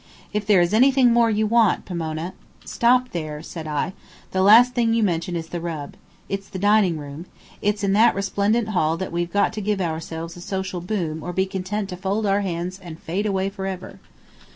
If there is anything more you want, Pomona " "Stop there" said I; "the last thing you mention is the rub. It's the dining room; it's in that resplendent hall that we've got to give ourselves a social boom or be content to fold our hands and fade away forever."